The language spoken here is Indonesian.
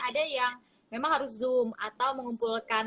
ada yang memang harus zoom atau mengumpulkan